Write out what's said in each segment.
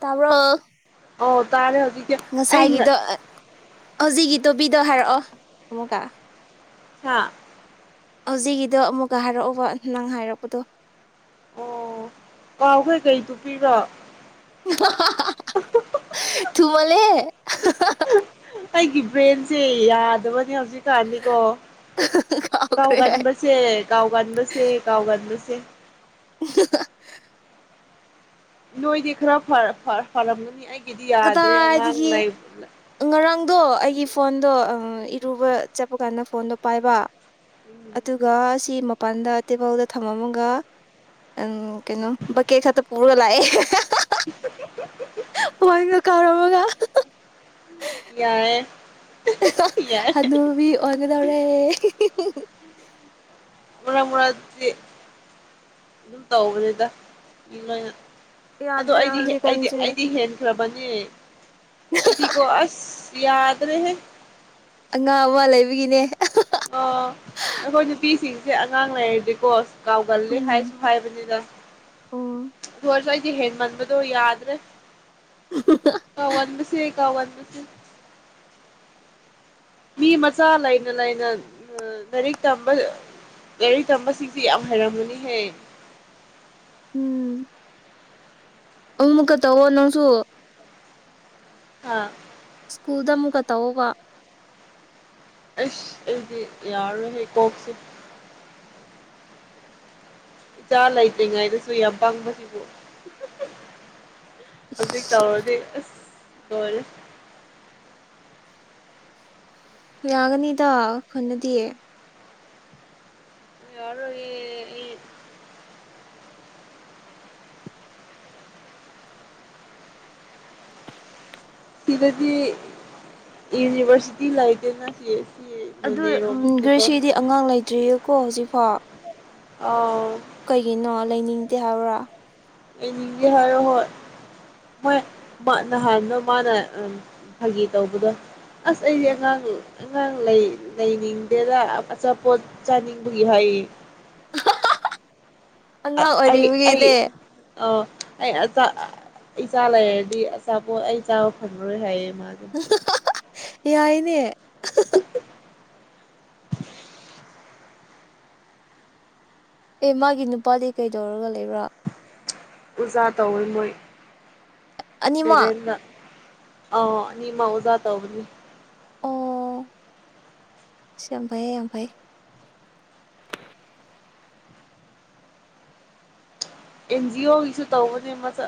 ꯇꯕ꯭ꯔ ꯑꯣ ꯇꯥꯔꯦ ꯍꯧ ꯉꯁꯥꯏꯒꯤꯗ ꯍꯧꯖꯤꯛꯒꯤ ꯇꯣꯕꯤꯗꯣ ꯍꯥꯏꯔꯛꯑꯣ ꯑꯃꯨꯛꯀꯥ ꯍꯥꯥ ꯍꯧꯖꯤꯛꯒꯤꯗꯣ ꯑꯃꯨꯛꯀ ꯍꯥꯏꯔꯛꯎꯕ ꯅꯪ ꯍꯥꯏꯔꯛꯄꯗꯣ ꯑꯥ ꯑꯩꯈꯣꯏ ꯀꯩ ꯇꯨꯞꯄꯤꯔ ꯊꯨ ꯃꯂ ꯑꯩꯒꯤ ꯕ꯭ꯔꯦꯟꯁꯦ ꯌꯥꯗꯕꯅꯤ ꯍꯧ ꯁꯤꯖꯤ ꯀꯥꯟꯅꯤꯀꯣ ꯀꯥꯎꯈ꯭ꯔꯦ ꯑꯩ ꯀꯥꯎꯒꯟꯕꯁꯦ ꯀꯥꯎꯒꯟꯕꯁꯦ ꯀꯥꯎꯒꯟꯕꯁꯦ [inaudible] ꯅꯣꯏ ꯗ ꯈꯔ ꯐꯔ ꯐ ꯐꯔꯂꯝꯅꯤ ꯀꯗꯥꯗꯒꯤ ꯉꯔꯥꯡꯗꯣ ꯑꯩꯒꯤ ꯐꯣꯟ ꯗꯣ ꯏꯔꯨꯕ ꯆꯠꯄ ꯀꯥꯟꯗ ꯐꯣꯟꯗꯣ ꯄꯥꯏꯕ ꯎꯝ ꯑꯗꯨꯒꯒ ꯁꯤ ꯃꯄꯥꯟꯗ ꯇꯦꯕꯜꯗ ꯊꯝꯃꯝꯃꯒ ꯀꯩꯅꯣ ꯕꯛꯀꯦ ꯈꯛꯇ ꯄꯨꯔꯒ ꯂꯥꯛꯑꯦ ꯦꯦ ꯃꯃꯣꯏꯒ ꯀꯥꯎꯔꯝꯃꯒ ꯌꯥꯔꯦ ꯑꯗꯨꯕꯤ ꯑꯣꯏꯒꯗꯧꯔꯦ ꯃꯣꯔꯥ ꯃꯣꯔꯥꯗꯤ ꯑꯗꯨꯝ ꯇꯧꯕꯅꯤꯗꯅ ꯑꯗꯣ ꯌꯥꯗ꯭ꯔꯦ ꯑꯩꯗꯤ ꯑꯩꯗꯤ ꯍꯧꯖꯤꯛꯀꯥꯟꯁꯦ ꯑꯩꯗꯤ ꯍꯦꯟꯈ꯭ꯔꯕꯟ ꯌꯦ ꯑꯩꯗꯤꯀꯣ ꯑꯁ ꯌꯥꯗꯅꯦꯦ ꯑꯉꯥꯡ ꯑꯋꯥ ꯂꯩꯕꯒꯤꯅꯦ ꯁꯤꯦ ꯑꯉꯥꯡ ꯂꯩꯔꯗꯤꯀꯣ ꯀꯥꯎꯒꯜ ꯂꯦ ꯎꯝ ꯍꯥꯏꯁꯨ ꯍꯥꯢꯕꯅꯤꯗ ꯑꯣ ꯑꯗꯨ ꯗꯤ ꯍꯡꯃꯟꯕꯗꯣ ꯌꯥꯗ꯭ꯔꯦ ꯋꯥꯟꯁꯦꯒꯟ ꯋꯥꯟ [unintelligible] ꯃꯤ ꯃꯆꯥ ꯂꯩꯅ ꯂꯩꯅ ꯂꯥꯏꯔꯤꯛ ꯂꯥꯏꯔꯤꯛ ꯇꯝꯕꯁꯤꯡꯗꯤ ꯌꯥꯝ ꯍꯩꯔꯝꯃꯅꯤꯍꯦ ꯎꯝ ꯑꯃꯃꯨꯛꯀ ꯇꯧꯑꯣ ꯅꯪꯁꯨ ꯑꯥ ꯁ꯭ꯀꯨꯜꯗ ꯑꯃꯨꯛꯀ ꯇꯧꯑꯣꯕ ꯑꯁ ꯑꯩꯗꯤ ꯌꯥꯔꯔꯣꯢꯍꯦ ꯀꯣꯛꯁꯦ ꯏꯆꯥꯥ ꯂꯩꯇ꯭ꯔꯤꯉꯥꯏꯗꯁꯨꯨ ꯌꯥꯝ ꯄꯪꯕꯁꯤꯕꯨ ꯍꯧꯖꯤꯛ ꯇꯧꯔꯗꯤ ꯑꯁ ꯂꯣꯢꯔꯦ ꯌꯥꯒꯅꯤꯗ ꯈꯟꯅꯗꯤ ꯌꯥꯔꯣꯢꯌꯦ ꯑꯩ ꯁꯤꯗꯗꯤ ꯌꯨꯅꯤꯚꯔꯁꯤꯇꯤ ꯂꯩꯇꯦꯅ ꯁꯤ ꯁꯤ ꯑꯗꯨ ꯅꯣꯅꯦꯔꯣꯝꯗꯗꯤꯀꯣ ꯒ꯭ꯔꯤꯁꯤꯗꯤ ꯑꯉꯥꯡ ꯂꯩꯇ꯭ꯔꯤꯌꯦꯀꯣ ꯍꯧꯖꯤꯛꯐꯥꯎ ꯑ ꯀꯩꯒꯤꯅꯣ ꯂꯩꯅꯤꯡꯗꯦ ꯍꯥꯏꯕ꯭ꯔꯥ ꯂꯩꯅꯤꯡꯗꯦ ꯍꯥꯏꯔꯣ ꯍꯣꯏ ꯃꯣꯏ ꯅꯍꯥꯟꯅ ꯃꯥꯅ ꯐꯥꯒꯤ ꯇꯧꯕꯗꯣ ꯑꯁ ꯑꯩꯗꯤ ꯑꯉꯥꯡ ꯑꯉꯥꯡ ꯂꯩꯅꯤꯡꯗꯦꯗ ꯑꯆꯥꯄꯣꯠ ꯆꯥꯅꯤꯡꯕꯒꯤ ꯍꯥꯏꯌꯦ ꯑꯉꯥꯡ ꯑꯣꯏꯔꯤꯔꯤꯕꯒꯤꯅꯦ ꯑ ꯑꯩꯆꯥ ꯏꯆꯥ ꯂꯩꯔꯗꯤ ꯑꯆꯥꯄꯣ ꯑꯩ ꯆꯥꯕ ꯐꯪꯉꯔꯣꯏ ꯍꯥꯏꯌꯦ ꯃꯥꯒꯝ ꯌꯥꯢꯅꯦ ꯎ ꯑꯦ ꯃꯥꯒꯤ ꯅꯨꯄꯥꯗꯤ ꯀꯩꯗꯧꯔꯒ ꯂꯩꯕ꯭ꯔꯥ ꯑꯣꯖꯥ ꯇꯧꯋ ꯃꯣꯏ ꯑꯅꯤꯃꯛ ꯗꯦꯕꯦꯟꯗ ꯑ ꯅꯤꯡꯃ ꯑꯣꯖꯥ ꯇꯧꯕꯅꯤ ꯑꯣ ꯌꯥꯝ ꯐꯩꯌꯦ ꯌꯥꯝ ꯐꯩꯌꯦ ꯑꯦꯟꯖꯤ ꯑꯣꯒꯤꯁꯨ ꯇꯧꯕꯅꯦ ꯃꯆ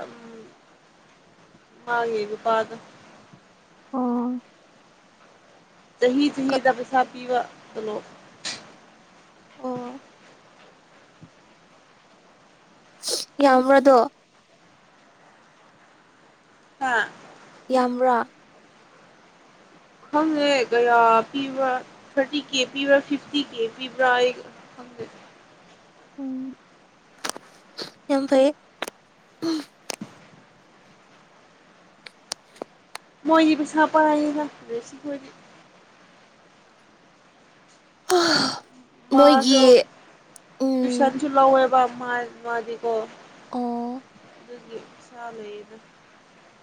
ꯃꯥꯒꯤ ꯅꯨꯄꯥꯗ [inaudible] ꯆꯍꯤ ꯆꯍꯤꯗ ꯄꯩꯁꯥ ꯄꯤꯕ ꯇꯣꯂꯣꯞ ꯑꯣ ꯌꯥ ꯃ꯭ꯔꯥꯗꯣ ꯍꯥꯥ ꯌꯥꯝꯕ꯭ꯔꯥ ꯈꯪꯉꯦ ꯀꯌꯥ ꯄꯤꯕ꯭ꯔ ꯊꯥꯔꯇꯤ ꯀꯦ ꯄꯤꯕ꯭ꯔꯥ ꯐꯤꯐꯇꯤ ꯀꯦ ꯄꯤꯕ꯭ꯔꯥ ꯑꯩ ꯈꯪꯗꯦ ꯎꯝ ꯌꯥꯝ ꯐꯩꯌꯦ ꯍ ꯃꯣꯏꯒꯤ ꯄꯩꯁꯥꯥ ꯄꯥꯏꯅ ꯖꯦꯁꯤꯈꯣꯢꯗꯤ ꯑꯣ ꯃꯥꯁꯨ ꯎꯝ ꯇ꯭ꯌꯨꯁꯟꯁꯨ ꯂꯧꯋꯦꯕ ꯃꯥꯖ ꯃꯥꯗꯤ ꯀ‌ꯣ ꯑꯣ ꯑꯗꯨꯒꯤ ꯄꯩꯁꯥ ꯂꯩꯗ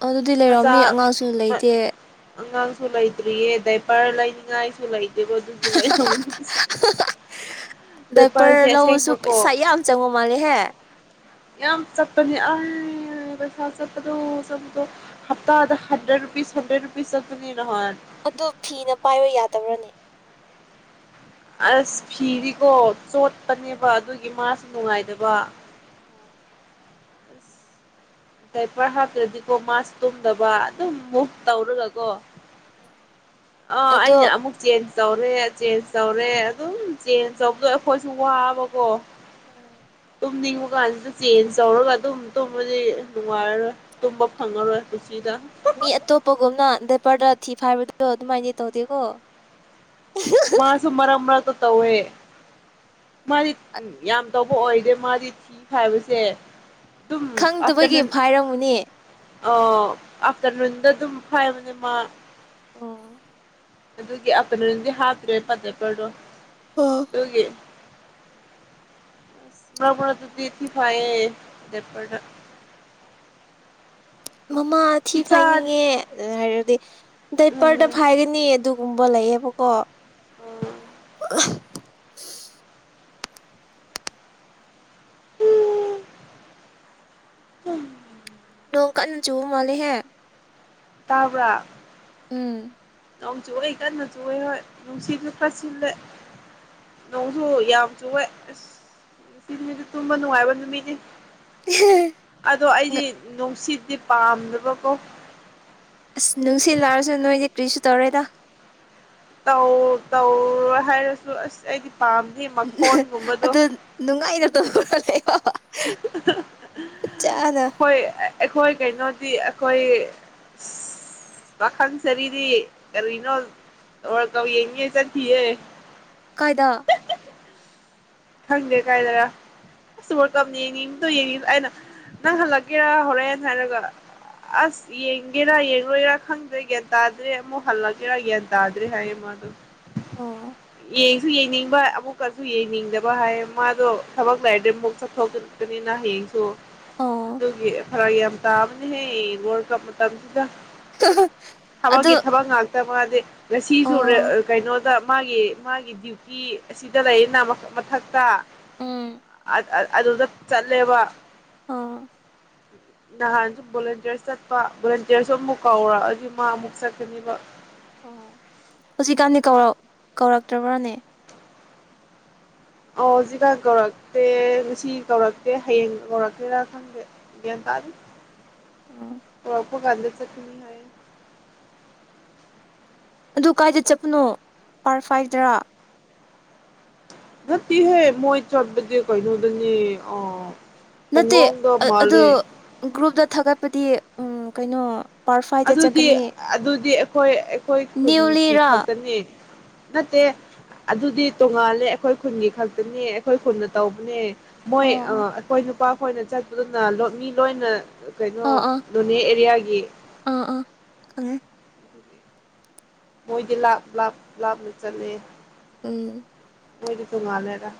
ꯑꯗꯨꯗꯤ ꯂꯩꯔꯝꯅꯤ ꯑꯉꯥꯡꯁꯨ ꯂꯩꯇꯦ ꯑꯉꯥꯡꯁꯨꯨ ꯂꯩꯇ꯭ꯔꯤ ꯌꯦ ꯗꯩꯄꯔ ꯂꯩꯅꯤꯡ ꯉꯥꯏꯁꯨꯨ ꯂꯩ ꯇ‌ꯦꯕ ꯑꯗꯨꯒꯤ ꯂꯩꯔꯝꯒꯅꯤ ꯄꯩꯁꯥ ꯗꯥꯏꯄꯔ ꯗꯥꯏꯄꯔꯁꯦ ꯂꯧꯕꯁꯨ ꯑꯁꯦꯡꯕꯀꯣ ꯄꯩꯁꯥ ꯌꯥꯝ ꯆꯪꯕ ꯃꯥꯜꯂꯦꯍꯦ ꯌꯥꯝ ꯆꯠꯄꯅꯤ ꯑꯩ ꯄꯩꯁꯥ ꯆꯠꯄꯗꯣ ꯆꯠꯄꯗꯣ ꯍꯞꯇꯥꯗ ꯍꯟꯗ꯭ꯔꯦꯠ ꯔꯨꯄꯤꯁ ꯍꯟꯗ꯭ꯔꯦꯠ ꯔꯨꯄꯤꯁ ꯆꯠꯄꯅꯤꯅ ꯅꯍꯂꯋꯥꯏ ꯑꯗ‌ꯣ ꯐꯤꯅ ꯄꯥꯏꯕ ꯌꯥꯗꯕ꯭ꯔꯅꯤ ꯑꯁ ꯐꯤꯗꯤꯀꯣ ꯆꯣꯠꯄꯅꯦꯕ ꯑꯗꯨꯒꯤ ꯃꯥꯁꯨ ꯅꯨꯡꯉꯥꯏꯗꯕ ꯑꯁ ꯗꯥꯏꯄꯔ ꯍꯥꯞꯇ꯭ꯔꯗꯤꯀꯣ ꯃꯥꯁ ꯇꯨꯝꯗꯕ ꯑꯗꯨꯝ ꯃꯨꯚ ꯇꯧꯔꯒꯀꯣ ꯑ ꯑꯗꯣ ꯑꯩꯅ ꯑꯃꯨꯛ ꯆ‌ꯦꯟꯖ ꯇꯧꯔꯦ ꯆꯦꯟꯖ ꯇꯧꯔꯦ ꯑꯗꯨꯝ ꯆꯦꯟꯖ ꯇꯧꯕꯗꯣ ꯑꯩꯈꯣꯏꯁꯨ ꯋꯥꯕꯀꯣ ꯇꯨꯝꯅꯤꯡ ꯗꯨꯀꯥꯟꯁꯨ ꯆꯦꯟꯖ ꯇꯧꯔꯒ ꯑꯗꯨꯝ ꯇꯨꯝꯕꯗꯤ ꯅꯨꯡꯉꯥꯏꯔꯔꯣꯏ ꯇꯨꯝꯕ ꯐꯪꯉꯔꯣꯏ ꯄꯨꯟꯁꯤꯗ ꯃꯤ ꯑꯇꯣꯞꯄꯒꯨꯝꯅ ꯗꯥꯏꯄꯔꯗ ꯊꯤ ꯐꯥꯏꯕꯗ‌ꯣ ꯑꯗꯨꯃꯥꯏꯅꯗꯤ ꯇꯧꯗꯦꯀꯣ ꯃꯥꯁꯨ ꯃꯔꯛ ꯃꯔꯛꯇ ꯇꯧꯋꯦ ꯃꯥꯗꯤ ꯌꯥꯝ ꯇꯧꯕ ꯑꯣꯏꯗꯦ ꯃꯥꯗꯤ ꯊꯤ ꯐꯥꯏꯕꯁꯦ ꯑꯗꯨꯝ ꯈꯪꯗꯕꯒꯤ ꯑꯥꯐꯇꯔꯅꯨꯟ ꯐꯥꯏꯔꯝꯃꯨꯅꯦ ꯑ ꯑꯐꯇꯔꯅꯨꯟꯗ ꯑꯗꯨꯝ ꯐꯥꯏꯕꯅ‌ꯦ ꯃꯥ ꯑꯣ ꯑꯗꯨꯒꯤ ꯑꯐꯇꯔꯅꯨꯟꯗꯤ ꯍꯥꯞ ꯇꯔ‌ꯦꯕ ꯗꯥꯏꯄꯔꯗ‌ꯣ ꯗꯨꯒꯤ ꯃꯔꯛ ꯃꯔꯛꯇꯗꯤ ꯊꯤ ꯐꯥꯏꯌ‌ꯦ ꯗꯥꯏꯄꯔꯗ ꯃꯃꯥ ꯊꯤ ꯏꯆꯥ ꯐꯥꯏꯅꯤꯡꯉꯦ ꯍꯥꯏꯔꯗꯤ ꯎꯝ ꯗꯥꯏꯄꯔꯗ ꯐꯥꯏꯒꯅꯤ ꯑꯗꯨ ꯒꯨꯝꯕ ꯂꯩꯌꯦꯕꯀꯣ ꯑꯣ ꯎꯝ ꯎꯝ ꯅ‌ꯣꯡ ꯀꯟꯅ ꯆꯨꯕ ꯃꯥꯜꯂ‌ꯦꯍ‌ꯦ ꯇꯥꯕ꯭ꯔ ꯅꯣꯡ ꯆꯨꯔ‌ꯦ ꯀꯟꯅ ꯆꯨꯋꯦ ꯍꯣꯏ ꯅꯨꯡꯁꯤꯠꯁꯨ ꯈꯔ ꯁꯤꯠꯂ‌ꯦ ꯅꯣꯡꯁꯨ ꯌꯥꯝ ꯆꯨꯑꯦ ꯑꯁ ꯉꯁꯤꯁꯨ ꯇꯨꯝꯕ ꯅꯨꯡꯉꯥꯏꯕ ꯅꯨꯃꯤꯠꯅꯤ ꯑꯗꯣ ꯑꯩꯗꯤ ꯅꯨꯡꯁꯤꯠ ꯁꯤ ꯄꯥꯝꯗꯕꯀꯣ ꯑꯁ ꯅꯨꯡꯁꯤꯠ ꯂꯥꯛꯑꯁꯨ ꯅꯣꯏꯗꯤ ꯀꯔꯤꯁꯨ ꯇꯧꯔ‌ꯣꯏꯗ ꯇꯧ ꯇꯧꯔ‌ꯣꯏ ꯍꯥꯏꯔꯁꯨ ꯑꯁ ꯑꯩꯗꯤ ꯄꯥꯝꯗꯦ ꯎꯝ ꯃꯈꯣꯟꯒꯨꯝꯕꯗꯣ ꯑꯗꯨ ꯅꯨꯡꯉꯥꯏꯅ ꯇꯧ ꯌ‌ꯣ ꯍꯣꯏ ꯑꯩꯈꯣꯏ ꯀꯩꯅꯣꯗꯤ ꯑꯩꯈꯣꯏ ꯄꯥꯈꯪ ꯆꯔꯤꯗꯤ ꯀꯔꯤꯅꯣ ꯇꯧꯔ ꯇꯧ ꯌꯦꯡꯅꯤꯌꯦ ꯆꯠꯈꯤꯌꯦ ꯀꯥꯏꯗꯥ ꯈꯪꯗꯦ ꯀꯥꯏꯗꯔ ꯑꯁ ꯋꯔꯀꯞ ꯌꯦꯡꯅꯤꯡꯇꯣ ꯌꯦꯡꯅꯤꯡ ꯑꯩꯅ ꯅꯪ ꯍꯜꯂꯛꯀꯦꯔꯥ ꯍꯣꯔꯦꯟ ꯍꯥꯏꯔꯒ ꯑꯁ ꯌꯦꯡꯒꯦꯔꯥ ꯌꯦꯡꯔꯣꯏꯔꯥ ꯈꯪꯗ꯭ꯔꯦ ꯒ꯭ꯌꯥꯟ ꯇꯥꯗ꯭ꯔꯦ ꯑꯃꯨꯛ ꯍꯜꯂꯛꯀꯦꯔꯥ ꯒꯌꯥꯟ ꯇꯥꯗ꯭ꯔꯦ ꯍꯥꯏꯌꯦ ꯃꯥꯗꯣ ꯑꯣ ꯌꯦꯡꯁꯨ ꯌꯦꯡꯅꯤꯡꯕ ꯑꯃꯨꯛꯀꯁꯨ ꯌꯦꯡꯅꯤꯡꯗꯕ ꯕ ꯍꯥꯏꯌꯦ ꯃꯥꯗꯣ ꯊꯕꯛ ꯂꯩꯔꯗꯤ ꯑꯃꯨꯛ ꯆꯠꯊꯣꯛ ꯆꯠꯀꯅꯤꯅ ꯍꯌꯦꯡꯁꯨ ꯑꯣ ꯑꯗꯨꯒꯤ ꯐꯔꯛ ꯌꯥꯝ ꯇꯥꯕꯅꯤꯍꯦ ꯋꯥꯔꯀꯞ ꯃꯇꯝ ꯑꯗꯣ ꯇꯃꯥꯗꯤ ꯉꯖꯤꯖꯨ ꯔꯦ ꯑꯥ ꯀꯩꯅꯣ ꯇ ꯃꯥꯒꯤ ꯃꯥꯒꯤ ꯗ꯭ꯌꯨꯇꯤ ꯑꯁꯤꯗ ꯂꯩꯌꯦꯅ ꯈꯛꯇ ꯎꯝ ꯑ ꯑ ꯑꯗꯨꯗ ꯆꯠꯂꯦꯕ ꯑꯥ ꯅꯍꯥꯟꯖꯨ ꯚꯣꯂꯦꯟꯇꯤꯌꯔꯁ ꯆꯠꯄ ꯚꯣꯂꯦꯟꯇꯤꯌꯔꯁꯨ ꯑꯃꯨꯛ ꯀꯧꯔꯑꯗꯤ ꯃꯥ ꯑꯃꯨꯛ ꯆꯠꯀꯅꯤꯕ ꯑ ꯍꯨꯖꯤꯛꯀꯥꯟꯗꯤ ꯀꯧꯔꯛ ꯀꯧꯔꯛꯇ꯭ꯔꯕ꯭ꯔꯥꯅꯦ ꯑꯣꯖꯤꯒꯥꯟ ꯀꯧꯔꯛꯇꯦ ꯉꯁꯤ ꯀꯧꯔꯛꯇꯦ ꯍꯌꯦꯡ ꯀꯧꯔꯛꯀꯦꯔꯥ ꯈꯪꯗꯦ ꯒ꯭ꯌꯥꯟ ꯇꯥꯗꯦ ꯎꯝ [unintelligible] ꯕꯒꯥꯟꯗ ꯆꯠꯀꯅꯤ ꯍꯥꯏꯌꯦ ꯑꯗꯨ ꯀꯥꯏꯗ ꯆꯠꯄꯅꯣ ꯄꯥꯔ ꯐꯥꯏꯗ꯭ꯔꯥ ꯅꯠꯇꯤꯍꯦ ꯃꯣꯏ ꯆꯠꯕꯗꯤ ꯀꯦꯅꯣꯗꯅꯤ ꯑꯥ ꯅꯠꯇꯦ ꯄꯨꯡꯂꯣꯡꯗ ꯑꯗꯨ ꯃꯥꯜꯂꯦ ꯒ꯭ꯔꯨꯞꯇ ꯊꯥꯒꯠꯄꯗꯤ ꯎꯝ ꯀꯩꯅꯣ ꯄꯥꯔꯠ ꯐꯥꯏꯚꯇ ꯑꯗꯨꯗꯤ ꯆꯠꯀꯅꯤ ꯑꯗꯨꯗꯤ ꯑꯩꯈꯣꯏ ꯑꯩꯈꯣꯏ ꯈꯨꯟꯒꯤ ꯅ꯭ꯌꯨꯂꯤꯔꯥ ꯈꯛꯇꯅꯤ ꯅꯠꯇꯦ ꯑꯗꯨꯗꯤ ꯇꯣꯉꯥꯜꯂꯦ ꯑꯩꯈꯣꯏ ꯈꯨꯟꯒꯤ ꯈꯛꯇꯅꯦ ꯑꯩꯈꯣꯏ ꯈꯨꯟꯅ ꯇꯧꯕꯅꯦ ꯃꯣꯏ ꯑ ꯑꯣ ꯑꯩꯈꯣꯏ ꯅꯨꯄꯥ ꯈꯣꯏꯅ ꯆꯠꯄꯗꯨꯅ ꯂꯣꯠ ꯃꯤ ꯂꯣꯏꯅ ꯀꯩꯅꯣ ꯑꯣ ꯑꯥ ꯑꯥ ꯅꯣꯅꯦ ꯑꯦꯔꯤꯌꯥꯒꯤ ꯎꯝ ꯃꯣꯏꯗꯤ ꯂꯥꯞ ꯂꯥꯞ ꯂꯥꯞꯅ ꯆꯠꯂꯦ ꯎꯝ ꯃꯣꯏꯗꯤ ꯇꯣꯉꯥꯜꯂꯦꯗꯥ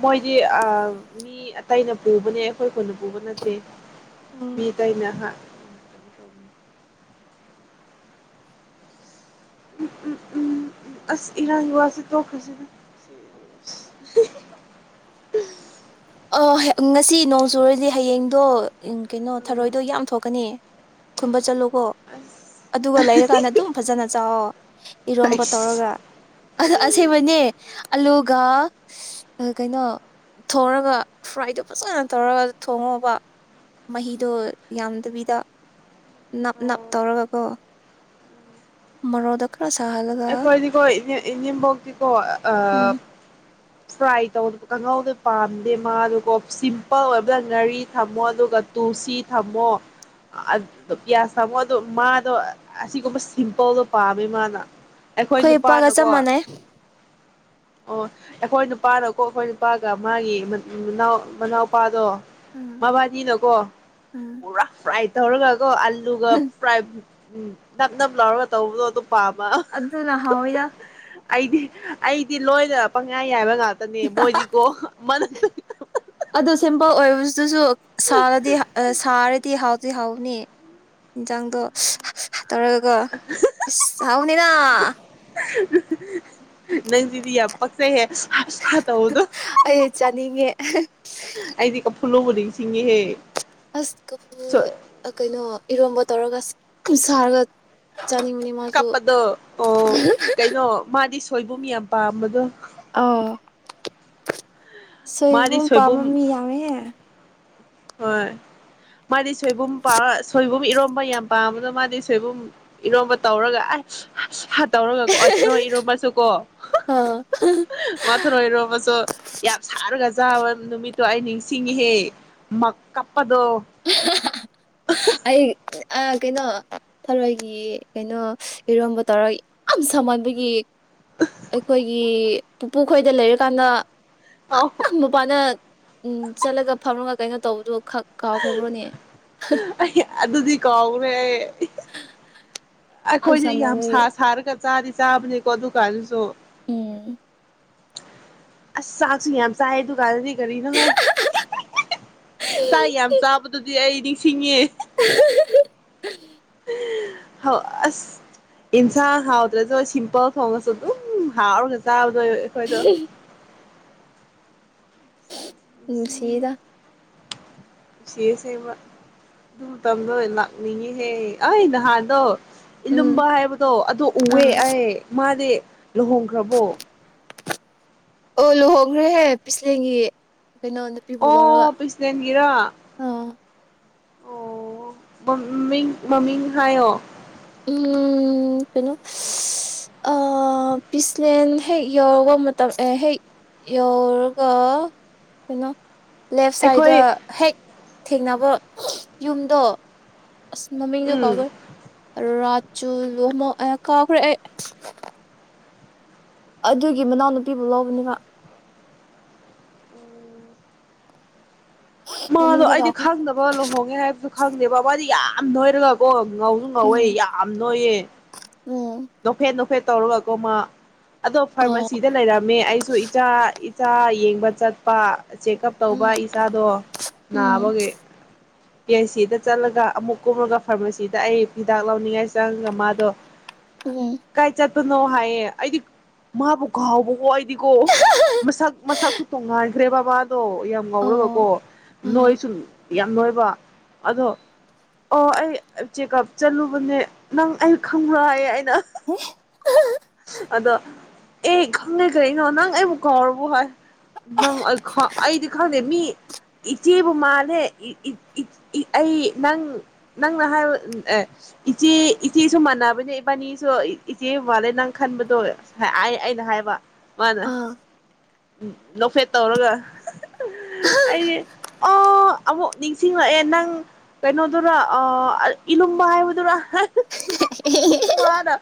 ꯃꯣꯏꯗꯤ ꯑꯥ ꯃꯤ ꯑꯇꯩꯅ ꯄꯨꯕꯅꯦ ꯑꯩꯈꯣꯏ ꯈꯨꯟ ꯄꯨꯕ ꯅꯠꯇꯦ ꯃꯤ ꯎꯝ ꯑꯥꯇꯩꯅ [unintelligible] ꯎꯝ ꯎꯝ ꯑꯁ ꯏꯔꯥꯡꯒꯤ ꯋꯥꯁꯤ ꯇꯣꯈꯔ꯭ꯁꯤꯗ ꯑ ꯉꯁꯤ ꯅꯣꯡ ꯆꯨꯨꯔꯗꯤ ꯍꯌꯦꯡꯗꯣ ꯀꯩꯅꯣ ꯊꯔꯣꯏꯗꯣ ꯌꯥꯝ ꯊꯣꯛꯀꯅꯤ ꯈꯨꯝꯕ ꯆꯠꯂꯨ ꯀꯣ ꯑꯁ ꯑꯗꯨꯒ ꯂꯩꯔꯀꯥꯟꯗ ꯑꯗꯨꯝ ꯐꯖꯅ ꯆꯥꯎꯑꯣ ꯏꯔꯣꯝꯕ ꯑꯩꯁ ꯇꯧꯔꯒ ꯑ ꯑꯁꯦꯡꯕꯩꯅꯦ ꯑꯂꯨ ꯀꯩꯅꯣ ꯊꯛ ꯑꯗꯨꯒ ꯐ꯭ꯔꯥꯏꯗꯣ ꯐꯖꯅ ꯇꯧꯔꯒ ꯊꯣꯡꯉꯣꯕ ꯃꯍꯤꯗꯣ ꯌꯥꯝꯗꯕꯤꯗ ꯅꯞ ꯅꯞ ꯑꯣ ꯇꯧꯔꯒꯀꯣ ꯃꯔꯣꯗ ꯑꯩꯈꯣꯏꯒꯤꯀꯣ ꯏꯅꯤꯡꯦꯝꯕꯣꯛꯇꯀꯣ ꯎꯝ ꯐ꯭ꯔꯥꯏ ꯇꯧ ꯀꯥꯡꯍꯧꯗ ꯄꯥꯝꯗꯦ ꯃꯥꯗꯨꯀꯣ ꯁꯤꯝꯄꯜ ꯑꯣꯏꯕꯗ ꯉꯥꯔꯤ ꯊꯝꯃꯣ ꯑꯗꯨꯒ ꯇꯨꯜꯁꯤ ꯊꯝꯃꯣ ꯄꯤꯌꯥꯁ ꯊꯝꯃꯣ ꯑ ꯃꯥꯗꯣ ꯑꯁꯤꯒꯨꯝꯕ ꯁꯤꯝꯄꯜꯗꯣ ꯄꯥꯝꯃꯦ ꯃꯥꯅ ꯑꯩꯈꯣꯏ ꯈ ꯄꯒ ꯆ ꯅꯨꯄꯥꯅꯀꯣ ꯃꯅꯦꯦ ꯑꯣ ꯑꯩꯈꯣꯏ ꯅꯨꯄꯥꯅꯀꯣ ꯑꯩꯈꯣꯏ ꯅꯨꯄꯥꯒ ꯃꯥꯒꯤꯅꯥꯎ ꯃꯅꯥꯎꯄꯥꯗꯣ ꯎꯝ ꯃꯕꯗꯤꯅꯀꯣ ꯎꯝ ꯄꯨꯔꯥ ꯐꯥꯏꯠ ꯍꯔꯒ ꯑꯜꯂꯨꯒ ꯐ꯭ꯔꯥꯏ ꯎꯝ ꯅꯞ ꯅꯞ ꯂꯥꯎꯔꯒ ꯇꯧꯕꯗꯣ ꯑꯗꯨꯝ ꯄꯥꯝꯕ ꯑꯗꯨꯂ ꯍ ꯑꯣꯏꯣꯏꯗ ꯑꯩꯗꯤ ꯑꯩꯗꯤ ꯂꯣꯏꯅ ꯄꯪꯉꯥꯏ ꯍꯥꯏꯕ ꯉꯥꯛꯇꯅꯦ ꯃꯣꯏꯗꯤꯀꯣꯅ ꯑꯗꯨꯁꯨ ꯁꯥꯗꯤ ꯁꯔꯗꯤ ꯍ ꯍꯧꯖꯤꯛ ꯍꯥꯎꯅꯤ ꯌꯦꯟꯁꯥꯡꯗꯣ ꯇꯧꯔꯒꯒꯣ ꯏ ꯍꯥꯎꯅꯤꯅ ꯅꯪꯁꯤꯗꯤ ꯌꯥꯝ ꯄꯛꯁ ꯍꯦ ꯑꯩ ꯆꯥꯅꯤꯡꯉꯦ ꯐꯂꯣꯕꯨꯗꯤꯡꯁꯤꯁꯤꯡꯦꯍꯦ ꯑꯁ ꯀꯕꯨ ꯀꯩꯅꯣ ꯏꯔꯣꯝꯕ ꯇꯧꯔꯒ ꯑꯁ ꯁꯒꯠ ꯀꯄꯗꯣ ꯑꯣ ꯀꯩꯅꯣ ꯃꯥꯗꯤ ꯁꯣꯏꯕꯨꯝ ꯌꯥꯝ ꯄꯥꯝꯕꯗꯣ ꯑꯥ ꯁꯣꯏꯕꯨꯝ ꯄꯥꯝꯝꯕ ꯃꯤ ꯌꯥꯝꯃꯦꯍꯦ ꯍꯣꯏ ꯃꯥꯗꯤ ꯁꯣꯏꯕꯨꯝ ꯄꯥ ꯁꯣꯏꯕꯨꯝ ꯏꯔꯣꯝꯕ ꯌꯥꯝ ꯄꯥꯝꯕꯗꯣ ꯃꯥꯗꯤ ꯁꯣꯏꯕꯨꯝ ꯏꯔꯣꯝꯕ ꯇꯧꯔꯒ ꯑ ꯇꯧꯔꯒꯀꯣ ꯑꯣꯏ ꯊꯔꯣꯏ ꯏꯔꯣꯃꯁꯨ ꯀꯣ ꯑ ꯃꯥ ꯊꯔꯣꯏ ꯏꯔꯣꯝꯕꯁꯨ ꯌꯥꯝ ꯁꯥꯔꯒ ꯆꯥꯕ ꯅꯨꯃꯤꯠꯇꯣ ꯑꯩ ꯅꯤꯡꯁꯤꯡꯉꯍꯦ ꯃꯀꯥ ꯑꯗꯣ ꯑꯩ ꯀꯩꯅꯣ ꯊꯔꯣꯏꯒꯤ ꯀꯩꯅꯣ ꯏꯔꯣꯝꯕ ꯇꯧꯔꯒ ꯌꯥꯝ ꯁꯍꯟꯕꯒꯤ ꯑꯩꯈꯣꯏꯒꯤ ꯄꯨꯄꯨ ꯈꯣꯏꯗ ꯂꯩꯔꯀꯥꯟꯗ ꯑꯧ ꯝꯕ ꯄꯅ ꯎꯝ ꯆꯠꯂꯒ ꯐꯝꯔꯒ ꯀꯩꯅꯣ ꯇꯧꯕꯗꯨꯣ ꯈ ꯀꯥꯎ ꯈꯕꯨꯔꯣ ꯅꯌꯦ ꯑꯩ ꯑꯗꯨꯗꯤ ꯀꯧꯈ꯭ꯔꯦ ꯑꯩꯈꯣꯏꯁꯦ ꯌꯥꯝ ꯁꯥ ꯁꯥꯔꯒ ꯆꯥꯔꯤ ꯆꯥꯕꯅꯤ ꯀꯧꯕꯗꯨꯀ ꯑꯗꯨꯁꯨ ꯎꯝ ꯑꯁ ꯆꯆꯨꯏ ꯌꯥꯝ ꯆꯦ ꯗꯨꯀꯥꯟꯗꯤ ꯔꯤꯅ ꯍ ꯁꯥꯏ ꯌꯥꯝ ꯆꯥꯕꯗꯨꯗꯤ ꯑꯩ ꯅꯤꯡꯊꯤꯡꯕꯥ꯫ [unintelligible] [unintelligible] ꯍꯥꯑꯣ ꯑꯥꯁ ꯑꯦꯅꯖꯥꯡ ꯍ꯭ꯋꯠꯔꯥꯁꯨ ꯁꯤꯝꯄꯜ ꯊꯣꯉ꯭ꯒꯥꯁꯨ ꯑꯗꯨꯝ ꯍꯥꯑꯣꯔꯥꯒꯥ ꯆꯥꯕꯥ꯫ ꯅꯣꯏ ꯑꯩꯈꯣꯏꯗ ꯎꯝ ꯁꯤꯗ ꯎꯆ ꯎꯆꯁꯦꯕ ꯑꯗꯨ ꯇꯝꯗꯣ ꯂꯥꯛꯅꯤꯡꯉꯤꯍꯦ ꯑꯩ ꯅꯍꯥꯟꯗꯣ ꯎꯝ ꯏꯂꯨꯝꯕ ꯍꯥꯏꯕꯗꯣ ꯑꯗꯨ ꯎꯑꯦ ꯑꯥ ꯑꯩ ꯃꯥꯗꯤ ꯂꯨꯍꯣꯡꯒ꯭ꯔꯥꯕꯣ꯫ ꯑꯣ ꯂꯨꯍꯣꯡꯒ꯭ꯔꯦ ꯍ ꯄꯤꯁꯂꯦꯟꯒꯤ ꯀꯦꯏꯅꯣ ꯅꯨꯄꯤ ꯕꯨ ꯂ꯭ꯔꯒꯥ꯫ ꯑꯣ ꯃꯥꯃꯤꯡ ꯃꯥꯃꯤꯡ ꯍ꯭ꯌꯣ꯫ ꯎ ꯀꯩꯅꯣ ꯄꯤꯁꯂꯦꯟ ꯍꯦꯛ ꯌꯧꯔꯒ ꯃꯇꯝ ꯍꯦꯛ ꯌꯧꯔꯒ ꯀꯩꯅꯣ ꯂꯦꯐꯠ ꯁꯥꯏꯗ ꯗꯥ ꯑꯩꯈꯣꯏ ꯍꯦꯛ꯫ ꯊꯦꯡꯕꯥ ꯌꯨꯃꯗꯨ꯫ ꯑꯁ ꯃꯥꯃꯤꯡ ꯗꯨ ꯎꯝ ꯀꯥꯎꯒ꯭ꯔꯦ꯫ ꯔꯥꯖꯨ ꯂꯣꯝꯃꯥ ꯑꯦꯍꯍ ꯀꯥꯎꯒ꯭ꯔꯦ ꯑꯩ꯫ ꯑꯗꯨꯒꯤ ꯃꯅꯥꯎ ꯅꯨꯄꯤ ꯕꯨ ꯂꯧꯕꯅꯦ ꯃꯥ꯫ ꯃꯥ ꯗꯨ ꯃꯃꯤꯡꯗꯤ ꯏꯩꯗꯤ ꯀꯥꯎꯈ꯭ꯔꯦ ꯈ꯭ꯪꯗꯦꯕꯥ ꯂꯨꯍꯣꯡꯉꯦ ꯍꯥꯏꯕꯥꯗꯨ ꯈ꯭ꯪꯗꯦ ꯕꯥ ꯃꯥ ꯗꯤ ꯌꯥꯝ ꯅꯣꯏꯔꯥꯒꯥ ꯀꯣ꯫ ꯉꯣꯎ ꯁꯨ ꯉꯣꯎꯏ ꯎꯝ ꯌꯝꯝ ꯅꯣꯏꯌꯦ꯫ ꯎꯝ ꯅꯣꯒꯀꯐꯦꯠ ꯅꯣꯒꯀꯐꯦꯠ꯫ ꯇꯩꯔꯒꯥ ꯀꯣ ꯃꯥ꯫ ꯑꯗꯨ ꯑꯣ ꯐꯥꯔꯃꯥꯁꯤ ꯗꯥ ꯂꯦꯏꯔꯃꯦ ꯏꯁꯨ ꯑꯦꯆꯥ ꯏ ꯑꯤꯆꯥ ꯌꯦꯡꯕꯥ ꯆ꯭ꯠꯄꯥ꯫ ꯆꯦꯀꯑꯞ ꯇ꯭ꯕꯥꯕꯥ ꯎꯝ ꯑꯤꯆꯥ ꯗꯨ ꯎꯝ ꯅꯕꯥꯒꯤ꯫ ꯄꯤ-ꯑꯩꯆ-ꯁꯤꯗ ꯆꯠꯂꯒ ꯑꯃꯨꯛ ꯀꯨꯝꯃꯒ ꯐꯥꯔꯃꯥꯁꯤꯗ ꯑꯩ ꯍꯤꯗꯥꯛ ꯂꯧꯅꯤꯡꯉꯥꯏ ꯆꯪꯉꯒ ꯃꯥꯗꯣ ꯎꯨꯝ ꯀꯅꯣ ꯍꯥꯏꯌꯦ ꯑꯩꯗꯤ ꯃꯥꯕꯨ ꯀꯥꯎꯕꯀꯣ ꯑꯩꯗꯤꯀꯣ ꯃꯁꯛ ꯃꯁꯛꯁꯨ ꯇꯣꯡꯉꯥꯏꯈ꯭ꯔꯦ ꯕꯥ ꯗꯣ ꯌꯥꯝ ꯉꯧꯔꯒ ꯑꯣ ꯀꯣ ꯑꯥ ꯅꯣꯏ ꯁꯨ ꯌꯥꯝ ꯅꯣꯏꯕ ꯑꯗꯣ ꯑꯣ ꯑꯩ ꯆꯦꯛꯀꯞ ꯆꯠꯂꯨꯕꯅꯦ ꯅꯪ ꯑꯩ ꯈꯪꯕ꯭ꯔ ꯍꯥꯏꯌꯦ ꯑꯩꯅ ꯑꯗꯣ ꯑꯦ ꯈꯪꯉꯦ ꯀꯔꯤꯅꯣ ꯅꯪ ꯑꯩꯕꯨ ꯀꯧꯔꯕ ꯑꯩꯗꯤ ꯈꯪꯗꯦ ꯃꯤ ꯏꯆꯦꯕꯨ ꯃꯥꯜꯂꯦ ꯑꯩ ꯅꯪ ꯅꯪꯅ ꯍꯥꯏꯕ ꯑꯦ ꯏꯆꯦ ꯏꯆꯦꯁꯨ ꯃꯥꯟꯅꯕꯅꯦ ꯏꯕꯥꯅꯤ ꯏꯆꯦ ꯃꯥꯟꯂꯦ ꯅꯪ ꯈꯟꯕꯗꯣ ꯑꯩ ꯑꯩꯅ ꯍꯥꯏꯕ ꯃꯥꯅ ꯑꯥ ꯅꯣꯛꯐꯦꯠ ꯇꯧꯔꯒ ꯑꯩꯗꯤ ꯑꯥ ꯑꯃꯨꯛ ꯅꯤꯡꯁꯤꯡꯂꯛꯑꯦ ꯅꯪ ꯀꯩꯅꯣꯗꯨꯔ ꯏꯂꯨꯝꯕ ꯍꯥꯏꯕꯗꯨꯔ ꯍꯥ ꯍꯥ ꯃꯥꯅ